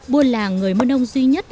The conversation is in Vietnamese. buôn làng người mơ nông duy nhất